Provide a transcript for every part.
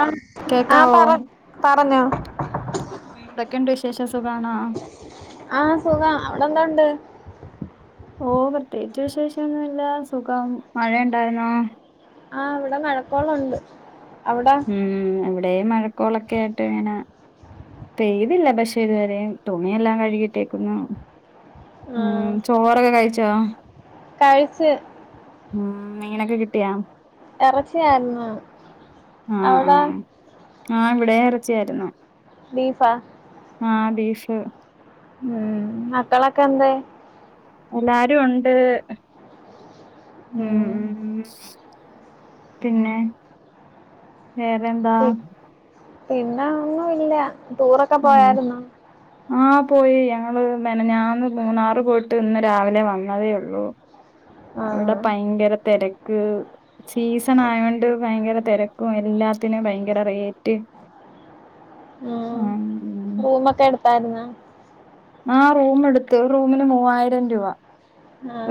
ആ ആഹ കേക്കാവോ പറ പറഞ്ഞോ ഇതൊക്കെണ്ട് വിശേഷ സുഖണോ? ആഹ് സുഖ അവിടെ എന്താ ഉണ്ട്? ഓ പ്രത്യേകിച്ച് വിശേഷൊന്നുമല്ല സുഖം, മഴയുണ്ടായിുന്നോ? ആഹ ഇവിടെ മഴക്കോളുണ്ട് അവിടെ? ഇവിടെേ മഴക്കോളൊക്കെ ആയിട്ട് ഇങ്ങനെ പെയ്തില്ല പക്ഷെ ഇതുവരെ തുണിയെല്ലാം കഴുകി- ഉം ആഹ് ചോറൊക്കെ കഴിച്ചാ? കഴിച്ച് ഉം ഇങ്ങനൊക്കെ കിട്ടിയാ ഇറച്ചിയായിരുന്നു ആഹ അവിടെ ആ ആ ഇവിടെ ഇ ച്ച ബീഫാ ആഹ ബീസ് ഉം മക്കളൊക്കെ എന്താ എല്ലാരും ഉണ്ട് ഉം പിന്നെ വേറെന്താ?? പി പിന്നെ ഒന്നും ഇല്ല ടൂറൊക്കെ പോയരുന്നോ? ആഹ പോയി ഞങ്ങള് മനെഞാന്ന് മൂന്നാറ് പോയിട്ട് ഇന്ന് രാവിലെ വന്നതേ ഉള്ളൂ അവിടെ ആഹ് ഭയങ്കര തിരക്ക് സീസൺ ആയോണ്ട് ഭയങ്കര തിരക്കും എല്ലാത്തിനും ഭയങ്കര റേറ്റ് ആ റൂമ ഒക്കെ എടുത്തായിരുന്ന? ആ റൂമ എടുത്ത് റൂമിന് മൂവായിരം രൂപ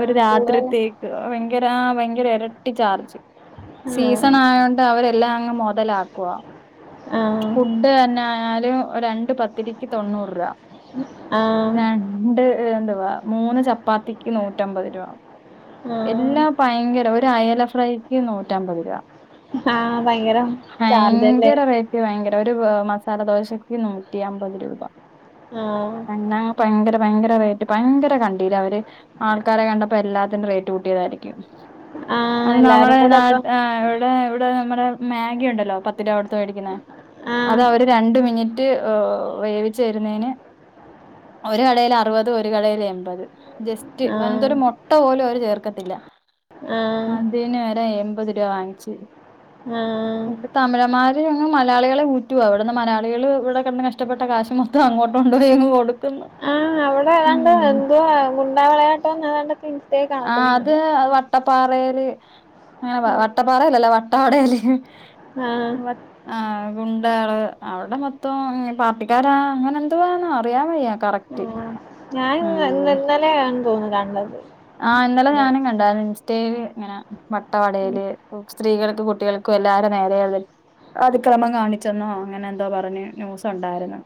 ഒരു കൂടുതൽ രാത്രിത്തേക്ക് ഭയങ്കര ഭയങ്കര ഇരട്ടി ചാർജ് ആഹ് സീസൺ ആയോണ്ട് അവരെല്ലാം അങ്ങ് മുതലാ ആഹ് ഫുഡ് തന്നെ ആയാലും രണ്ട പത്തിക്ക് തൊണ്ണൂറ് രൂപ ആഹ് രണ്ട് എന്തുവാ മൂന്ന് ചപ്പാത്തിക്ക് നൂറ്റമ്പത് രൂപ ആഹ എല്ലാം ഭയങ്കര ഒരു അയല ഫ്രൈക്ക് നൂ- ആഹ ഭയങ്കരം ചാർജ്ല്ലേ ഭയങ്കരം ഒരു മസാലദോശക്കി നു ആഹ് ഭയങ്കര റേറ്റ് ഭയങ്കര കണ്ടീല്ല അവര് ആൾക്കാരെ കണ്ടപ്പോ എല്ലാത്തിനും റേറ്റ് കൂട്ടിയതായിരിക്കും ആഹ് അത് നമ്മള എല്ലാരും കൂടെ നാട്ട അപ്പം ഇവിടെ ഇവിടെ നമ്മടെ ആഹ് അത അവര് രണ്ട മിനിറ്റ് വേവിച്ച് തരുന്നതിന് ഒരു കടൽ അറുപത് ഒരു കടൽ എൺപത് ജസ്റ്റ് ആഹ് അനത്തൊരു മുട്ട പോലും അവര് ചേർക്കത്തില്ല ആഹ് അതിന് വരെ എൺമ്പത് രൂപ വാങ്ങിിച്ചു ആഹ് തമിഴമാര് അ മലയാളികളെ ഊറ്റുവാ ഇവിടുന്ന് മലയാളികൾ ഇവിടെ കി കഷ്ടപ്പെട്ട കാശ മൊത്തം അങ്ങോട്ട്ണ്ടപ പോയ കൊടുക്കുന്നു ആഹ് അവിടെ ഏതാണ്ട് ഉം എന്തുവാ ഗുണ്ടാാവളയാട്ടോന്ന താണ്ട് പിത്തേക്ക് ആ അത് കണക്കുന്നണ്ട വട്ടപ്പാറേല് അങ്ങനെ പറ വട്ടപ്പാറല്ലല്ലോ വട്ട വടയല്ലേ? ആഹ് ആ ഗുണ്ടാള് അവടെ മൊത്തം പാർട്ടിക്കാരാ അങ്ങനെ എന്തോ ആണ് അറിയാ വയ്യ കറക്റ്റ്. ആഹ് ഞാൻ ഇന്ന് ഇന്ന് ഇന്നലെയാണ് തോന്നുന്നു കണ്ടത് ആഹ് ഇന്നലെ പിന്നെ ഞാനും കണ്ടാരുന്നു ഇൻസ്റ്റേയ്ല് ഇങ്ങനെ വട്ട ഉം വടയില് സ്ത്രീകൾ കുട്ട്യാൾക്കും എല്ലാരെ നേരേയത് അതിക്രമം കാണിച്ചെന്നോ അങ്ങനെ എന്തോ പറഞ്ഞ് ന്യൂസുണ്ടാര്ന്നു.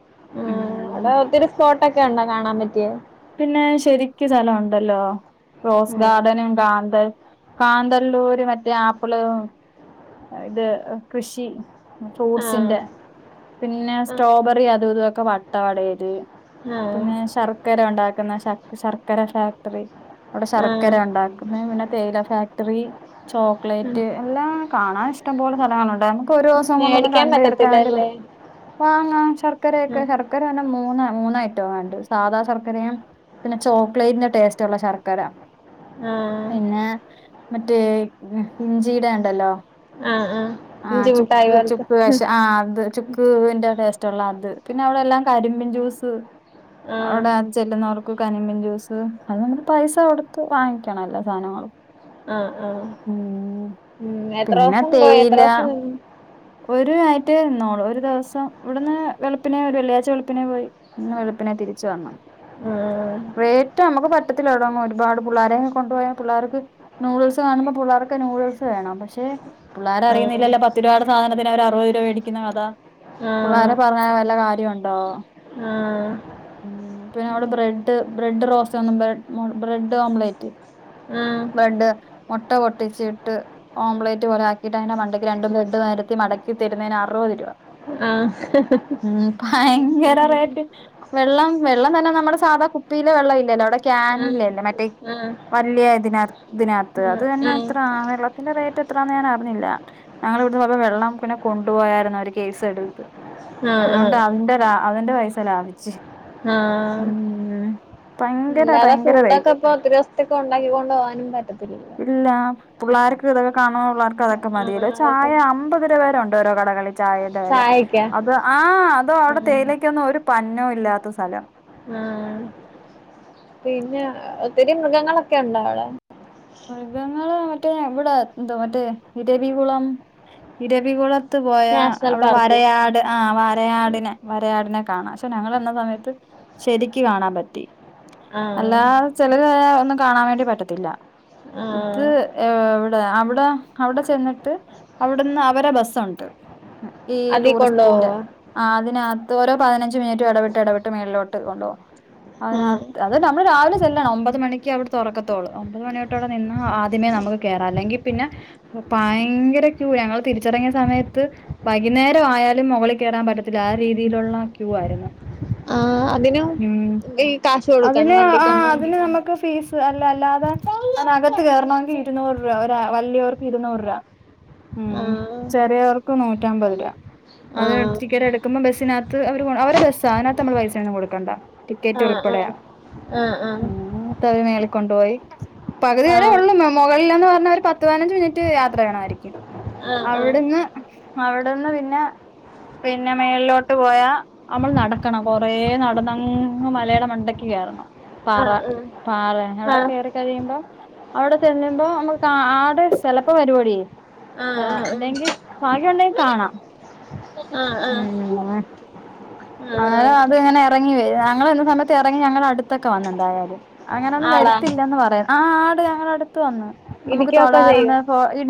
അവടെ ഒത്തിരി സ്പോട്ടൊക്കെ ഉണ്ടോ കാണാൻ പറ്റിയേ? പിന്നെ ശരിക്കു സ്ഥലഉണ്ടല്ലോ റോസ് ആഹ് ഗാർഡനും ഗാന്ത കാന്തല്ലൂര് മറ്റേ ആപ്പിള് ഇത് കൃഷി ഫ്രൂട്ട്സിന്റെ ആഹ് പിന്നെ സ്ട്രോബെറി അതും ഇതൊക്കെ വട്ട വടയില് ആഹ് പിന്നെ ശർ ക്കര ഉണ്ടാക്കുന്ന ശർത് ശർക്കര ഫാക്ടറി അവിടെ ആഹ് ശർക്കര ഉണ്ടാക്കുന്നെ പിന്നെ തേയില ഫാക്ടറി ചോക്ലേറ്റ് എല്ലാം കാണാൻ ഇഷ്ടം പോലെ സ്ഥലങ്ങളുണ്ടായിര്ന്നു. ക്കൊരു ദിവസം കൊണ്ടൊന്നും മേടിക്കാൻ കണ്ട് തീർക്കാൻ വേണ്ടി പറ്റത്തില്ലല്ലേ പറ്റ് വാങ്ങാം ശർക്കരയൊക്കെ ആഹ് ശർക്കര മൂന്നാ മൂന്നായിട്ടാ വാണ്ട് സാധാ ശർ ക്കരയും പിന്നെ ചോക്ലേറ്റിന്റെ ടേസ്റ്റ് ഉള്ള ശർക്കര ആഹ് പിന്നെ മറ്റേ ഇഞ്ചിയടെ ണ്ടല്ലോ ആഹ് ആഹ് ആഹ് ഇഞ്ചിമുട്ടായി ചുക്ക് പോലത്തെ ചുക്ക് പഷേ ആ അത് ചുക് ക്ക്‌ വിന്റെ ടേസ്റ്റ് ഉള്ള അത് പിന്നെ അവിടെ എല്ലാം കരിമ്പിൻ ജ്യൂസ് ആഹ് അവിടെ ചെല്ലുന്നവർക്ക് കരിമ്പിൻ ജ്യൂസ് അത് നമ്മള് പൈസ കൊടുത്ത് വാങ്ങിക്കണം എല്ലാ സാധനങ്ങളും ആഹ് ആഹ് ഉം ഉം എത്ര പിന്നെ ദിവസം പോയേ എത്ര തേയില ദിവസം നിന്ന് ഒരു ആയിട്ടെ ന്നോളൂ ഒരു ദിവസം ഇവിടുന്ന് വെളുപ്പിനെ വെള്ളിയാഴ്ച വെളുപ്പിനേ പോയി അന്ന് വെളുപ്പിനെ തിരി ച്ചന്നു ഉം വേറ്റോം നമുക്ക് പറ്റത്തില്ല ഇതൊന്നും ഒരുപാട് പുള്ളേരെയും കൊണ്ടു പോയാ പുള്ളേർക്ക് നൂഡിൽസ് കാണുമ്പോ പുള്ളേർക്ക് നൂ--‌ നൂഡിൽസ് വേണം പക്ഷെ പുള്ളേരറിയുന്നില്ലല്ലോ പത്തിരുപതാടെ സാധനത്തിന് അവര് അറുപത് രൂപ മേടിക്കുന്ന കഥ ആഹ് പുള്ളേരെ ആഹ് പറഞ്ഞാ വല്ല കാര്യോണ്ടോ? ഉം ഉം പിന്നെ അവടെ ബ്രെഡ് ബ്രെഡ് റോസ്‌റ്റാന്നും പറ് ഉം ബ്രെഡ് ഓംപ്ലേറ്റ് ബ്രെഡ് മുട്ട പൊട്ടിച്ചിട്ട് ഓംപ്ലേറ്റ് പോലെ ആ ക്കീട്ടയ്ന്റെ മണ്ടക്ക് രണ്ട് ബ്രഡ് നെരത്തി മടക്കി തരുന്നതിന് അറുപത് രൂപ ആഹ് ഉം ഭയങ്കര റേറ്റ് വെള്ളം വെള്ളം തന്നെ നമ്മുടെ സാധാ കുപ്പി ല് വെള്ളം ഇല്ലല്ലോ അവിടെ ക്യാനല്ലേല്ലേ മറ്റേ വലിയ ഇതിന ഇതിനകത്ത് അത് തന്നെ ആഹ് എത്രാ വെള്ളത്തിന്റെ റേറ്റ് എത്രാന്ന് ഞാൻ അർ ഞ്ഞില്ല ഞങ്ങളിവിടുന്ന് കുറച്ച് വെള്ളം പിന്നെ കൊണ്ടുപോയായിരുന്നു അവര് കേസെടുത്ത് ആഹ് ആഹ് അതുകൊണ്ട് അതിന്റെ ലാ അതിന്റെ പൈസ ലാഭിച്ച് ആഹ് ഉം ഭയങ്കര അല്ലാതെ ഭയങ്കര റേറ്റ് ഫൂഡൊക്കെ ഇപ്പൊ ഒത്തിരി ദിവസത്തേക്ക്‌ ഉണ്ടാക്കിക്കൊണ്ട് പോവാനും പറ്റത്തില്ലല്ലോ. പുള്ളോര്ക്ക്‌ ഇതൊക്കെ കാണാനുള്ള പ്പതൊക്കെ ആഹ് മതിയല്ലോ അതൊക്കെ ചായ അമ്പത് രൂപേടെ ഉണ്ട് ഓരോ കടകളിൽ ചായേന്റെ വെല ചായക്കാ അത് ആ അതൊ അവിടെ ആഹ് തേയിലേക്കൊന്നും ഒരു പന്നോ ഇല്ലാത്ത സ്ഥലം ആ പിന്നെ ഒത്തിരി മൃഗങ്ങളൊക്കെ ഉണ്ടോ അവടെ? മൃഗങ്ങള് മറ്റേ ഇവിടെ എന്തോ മറ്റേ ഇരവികുളം ഇരവികുള ത്ത് പോയാ നാഷണൽ അവിടെ പാർക്ക് വരയാട് ആ ആഹ് വരയാടിനെ വരയാടിനെ കാണാം. പ്പൊ ഞങ്ങളന്ന സമയത്ത് ശരിക്ക് കാണാൻ പറ്റി. ആഹ് അല്ലാതെ ചിലര് ഒന്നും കാണാൻ വേണ്ടി പറ്റത്തില്ല. ഇത് ആഹ് എവടെ അവിടെ അവിടെ, ചെന്നിട്ട്, അവിടുന്ന്, അവരെ, ബസ്സുണ്ട് ഈ, അതീ കൊണ്ടോവോ ടൂറിസ്റ്റിന്റെ, ആ, അതിന ത്തോരോ, പതിനഞ്ച്, മിനിറ്റും, എടവിട്ട്, എടവിട്ട്, മേളിലോട്ട്, കൊണ്ട്പോ ആഹ് അതിനത്ത്, അത്, നമ്മള്, രാവിലെ, ചെല്ലണം, ഒമ്പത്, മണിക്ക്, അവിടെ, തുറക്കത്തോളൂ, ഒമ്പത് ട്ടടെനിന്ന, ആദ്യമേ, നമുക്ക് കേറാം, അല്ലെങ്കി പിന്നെ ഭയങ്കര, ക്യൂ, ഞങ്ങള്, തിരിച്ചറങ്ങിയ, സമയത്ത്, വൈകുന്നേരോം, ആയാലും, മുകളി കേറാൻ, പറ്റത്തില്ല, ആ, രീതി രീതിയിലുള്ള, ക്യൂ, ആയിരുന്നു. ആഹ് അതിനും മ്മ്, ഈ കാശ് അതിന്, കൊടുക്കണം വണ്ടി ആ, കൊണ്ടോവാൻ അതിന്, നമ്മക്ക്, ഫീസ് അല്ല, അല്ലാതെ, നകത്ത്, കേറണെങ്കി, ഇരുന്നൂറ്, രൂയാ, ഒര, വല്യോർക്ക്, ഇരുന്നൂറ്, രൂപ ഉം, ആഹ് ചെറിയവർക്ക്, നൂറ്റമ്പത് രൂപ. അത്, ആഹ് ടിക്കറ്റെടുക്കുമ്പോ, ബസ്സിനകത്ത്, അവ, അവരെ ബസ്സാ, അതിനത്ത്, നമ്മള്, പൈസയൊന്നും, കൊടുക്കണ്ട, ടിക്കറ്റ്, ഉൾപ്പെ ആഹ, ഉം, തവി, മേളിക്കൊണ്ടുപോയി പകുതി, വരെ ആഹ് ഉള്ളുന്ന്, മുകളിലെന്ന്, പറഞ്ഞാ, ഒരു, പത്ത്, പതിനഞ്ച്, മിനിറ്റ്, യാത്ര, ചെയ്യണമായിരിക്കും ആഹ് അവിടുന്ന്, അവിടെന്ന്, പിന്നെ പിന്നെ, മേളിലോട്ട്, പോയാ, നമ്മൾ, നടക്കണം, കൊറേ, നടന്നങ്ങ്, മലയുടെ, മണ്ടക്ക്, കയറണം ആഹ് ആഹ് ആഹ് ആഹ് പറ, ആഹ് പാറ, ഞടെ, ആഹ് കേറി മ്പൊ, അവിട, ചല്ലുെമ്പോ, നമുക്ക്, ആടെ, സ്ചെലപ്പൊ, വരുവെടി ആഹ, അല്ലെങ്കി, ഭാഗ്യംണ്ടെങ്കി, കാണാം ആഹ് ആഹ് ആഹ് മ്മ്, അലും, ആഹ് അത്, ഇങ്ങനെ, ഇറങ്ങി, വര ഞങ്ങ, സമയത്ത്, ഇറങ്ങി, ഞങ്ങളെ, അടുത്തൊക്കെ, വന്നിണ്ടായാലും, അങ്ങനെന്നും, ആടാ വരുത്തില്ലന്ന്, പറയാ, ആ, ഞടു ത്ത്, വന്ന്, നമുക്ക്, ഇരിക്കൊക്കെ ചെയ്യോ തൊടരുന്ന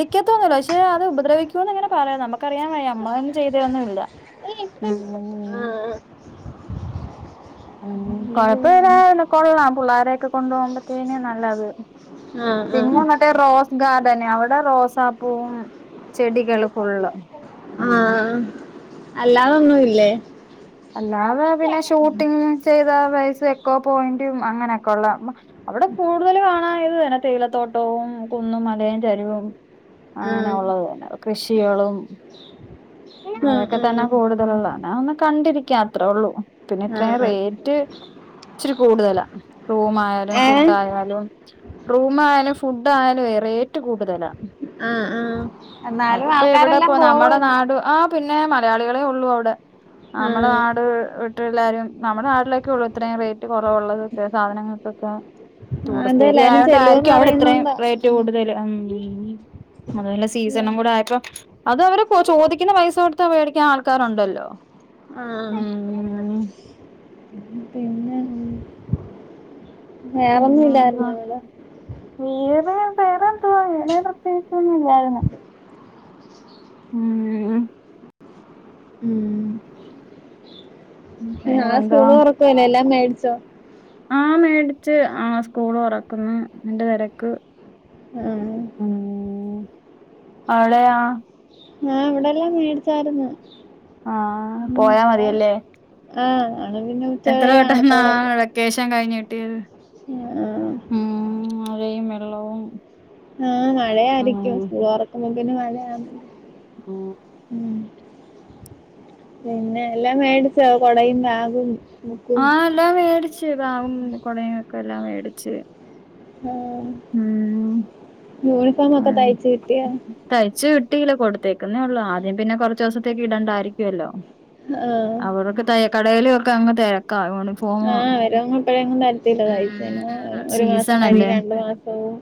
പിക്കത്തോന്നുല്ല, പക്ഷെ, അത് ഉപദ്രവിക്കൂന്ന്ങ്ങനെ, പറയാം, നമുക്കറയാൻ, വയ്യ, നമ്മളന്നും, ചെയ്തൊന്നുമില്ല മ്മ്, മ്മ്, ആഹ് ഉം, കൊഴപ്പില്ലെ, കൊള്ളാം, പിള്ളോരെയൊക്കെ, കൊണ്ടുപോകുമ്പോത്തേന, നല്ലത് ആഹ് ആഹ് പിന്നെ, മറ്റേ, റോസ്, ഗ ടൻ, തന്നെ, അവിടെ, റോസാപ്പൂവും, ചെടികൾ, ഫുള്ളും ആഹ, അല്ലാതൊന്നും, ഇല്ലേ അല്ലാതെ, പിന്നെ, ഷൂട്ടിംഗ, ചെയ്ത, പ എക്കൊ, പോയിന്റും, അങ്ങനെയൊക്കെള്ള, അവിടെ കൂടുതല്, കാണത്, തന്നെ, തേയിലത്തോട്ടവും കന്നും, മലറെരിവും, അങ്ങനെ, ആഹ് ഉള്ളത്, തന്നെ, കൃഷികളും, ആഹ് അതൊക്കെ, തന്നെ, ആഹ് കൂടുതലുള്ള, ഞ, ഒന്ന്, കണ്ടിരിക്ക, അത്രേ, ഉള്ളൂ പിന്നെ, ഇത്രയും, ആഹ് റേറ്റ് ഇച്ചരി, കൂടുതലാ, റൂ, ആയാലും, ഫുഡ, ഏഹ് ആയാലും, റൂം, ആയാലും, ഫുഡ്, ആയാലും റേറ്റ്, കൂടുതല, ആഹ് ആഹ് എന്നാലും അതിപ്പോ, എവിടെ, ആൾക്കാരെല്ലാം നമ്മുടെ പോവുവല്ലോ നാട് ആ പിന്നെ, മലയാളികളെ, ഒള്ളൂ, അവിടെ, നമ്മുടെ, ആഹ് നാട് മ, എല്ലാരും, നമ്മുടെ, നാട്ടിലൊക്കെ, ഉള്ളൂ, ഇത്രയും, റേറ്റ്, കുറവുള്ളതൊക്കെയ, സാധനങ്ങൾക്കൊക്കെ അത് ടൂറിസ്റ്റ്, ഏരിയ എല്ലാരും ആയണ്ട്, ചെല്ലുവെന്ന് ആരിക്കും, അവിടെ, ഇത്രയും, അറിയുന്നോണ്ടാ റേറ്റ്, കൂടുതൽ മ്മ്, അതല്ല, സീസണും, കൂടെ, ആയപ്പോ, അത്, അവരെ, ചോദിക്ക ക്ക്ണ, പൈസ, കൊടുത്ത്, മേടിക്കാൻ, ആൾക്കാരുണ്ടല്ലോ, ആഹ് ഉ പിന്നെ വേറൊന്നും പിന്നെ, എന്തുവാ, ഇല്ലായിരുന്നു ഇവിടെ വീർ അ, വേറെന്തുവാ, വേറെ, പ്രത്യേകിച്ചൊന്നും, ഇല്ലായിരുന്നു ഉം, മ്മ് ഉം നാെ, വേറെന്തുവാ സ്കൂള്, ഒറക്കുവല്ലേ, എല്ലാം, മേടിച്ചോ ആഹ്, മേടച്ച്, ആ സ്കൂൾ, തോറക്കുന്നു, നിന്റെ, തിരക്ക് ആഹ് ഉം, അവളയാ അവിടെല്ലാം, മേടിച്ചായിരുന്നു, ആ പോയാ മതിയല്ലേ ആഹ എത്ര, വെട്ടംന്നാ, വെക്കേഷൻ, കഴിഞ്, കിട്ടിയത് ഉം ആ, മഴയും വെള്ളവും ആ അങ്ങനെ മഴയായിരിക്കും സ്കൂൾ തുറക്കുമ്പോ പിന്നെ മഴയാന് ഉഹ [unintelligible] പിന്നെ എല്ലാം മേടിച്ച കൊടയും ബാഗും ബുക്കും ആ എല്ലാം മേടിച്ച്ബാഗും കൊടയും ഒക്കെ എല്ലാം മേടിച്ച് ആ ആ കിട്ടിയോ തയച്ച് ക് കുട്ടിയില കൊടുത്തേക്കുന്നേ ഉള്ളൂ ആദ്യം പിന്നെ കുറച്ച ദിവസത്തേക്ക് ഇടണ്ടായിരിക്കുല്ലോ ആഹ് അവിടെക്കെ തയ്യക്കടയില് ഒക്കെ അങ്ങ് തെരക്കാ [unintelligible] ആ വരും ഇപ്പഴേങ്ങും വരത്തില്ല ഉം ഒരു മാസം സീസണല്ലേ [unintelligible] മാസവും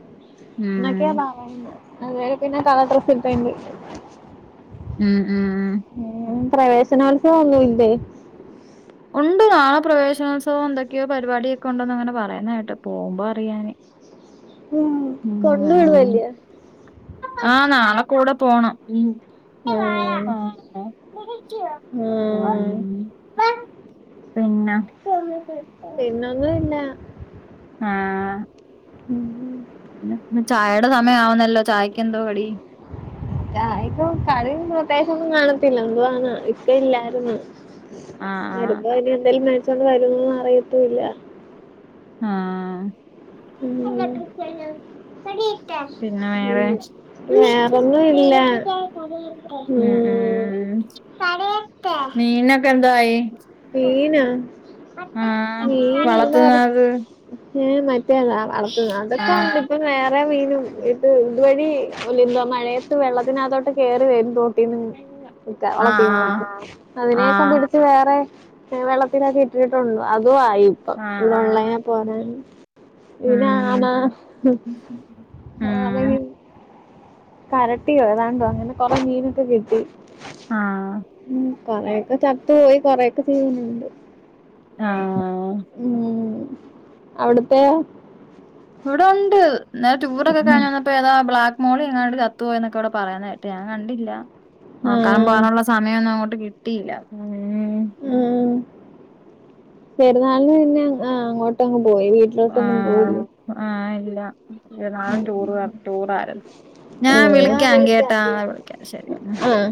ഉം എന്നക്കെയാ പറയുന്നേ അന്നേര പിന്ന കളർ ഡ്രസ്സ്‌ ഇട് [unintelligible] മ് മം പ്രവേശനോത്സവൊന്നൂല്ലേ ഉണ്ട് ആ ആ പ്രവേശനോത്സവം എന്തൊക്കെയോ പരിപാടിക്കെ ഉണ്ടോന്ന് അങ്ങനെ പറയ്ന്ന് കേട്ട് പോകുമ്പോ അറിയാനി മ് [unintelligible] ആ നാളെ കൂടെ പോണം മ് ആഹ് ആ അ ആഹ് മം [unintelligible] പിന്ന പിന്നൊന്നുല്ല ആ ചായയുടെ സമയ ആവുന്നല്ലോ ചായക്ക് എന്തോ കടി [unintelligible] പ്രത്യാഗിച്ചൊന്നും കാണത്തില്ല എന്തുവാന്ന് ഇക്ക ഇല്ലായിര്ന്ന് ആഹ് വരുമ്പോ ഇനി എന്തെലും മേടിച്ചോണ്ട് വരോന്ന് അറിയത്തുല്ല ആ ഉം പിന്നെ ഉം വേറേ വേറൊന്നും ഇല്ല മ് ഉം മ് മീനൊക്കെന്തായി മീനാ മീൻ [unintelligible] വളർത്തുന്നത് ഏ മറ്റേതാ വളർത്തുന്നാ അതൊക്കെ ഉണ്ട് ആഹ് ഇപ്പം വേ [unintelligible] കുറെ മീനും ഇട്ട് ഇതുവഴി എന്തോ മഴയത്ത് വെള്ളത്തിനകത്തോട്ട് കേറി വരും തോ [unintelligible] ന്ന് വെളളത്തിന്ന് ആഹ് അതിനെയൊക്കെ ആഹ് പിടിച്ച് വേറെ വെള്ളത്തിനൊക്കെ ഇട്ടിട്ടോള്ളു അതു ആയി ഇപ്പം ആഹ് ആഹ് ഇവിടുള്ളേനെ പോലെ പിന്ന ആണ ഉം ഹ് അ ഉം [unintelligible] കരട്ടിയോ ഏതാണ്ടോ അങ്ങനെ കൊറെ മീനൊക്കെ കിട്ടി ആഹ് മ് കൊറെയൊക്കെ ചത്ത് പോയി കൊറെക്കെ [unintelligible] ന്നുണ്ട് ആ അവിട്ത്തെ ഇവിടൊണ്ട് ഇന്നലെ ടൂറൊക്കെ കഴി വന്നപ്പോ ഏതാ ബ്ലാക്ക് മോളിയങ്ങാണ്ട് ചത്ത് പോയന്നൊക്കെ ഇവിടെ പറയന്ന്കേട്ട് ഞാൻ കണ്ടില്ല നോക്കാൻ ആഹ് പോവാനുള്ള സമയൊന്നും അങ്ങോട്ട് കിട്ടിയില്ല ഉം ആ പെരുന്നാൾന് പിന്ന ആ അങ്ങോട്ട് പോയി വീട്ടിലോട്ടൊന്നും ആഹ് പോയില്ലേ ആഹ് ഇല്ല നാളെ ടൂറ് ടൂറ ആരുന്നു ഞാൻ വിളിക്കാ കേട്ടാെ ആഹ് വിളിക്കാം ശെരി ആഹ്